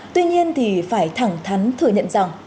tuy nhiên thì phải thẳng thắn thừa nhận rằng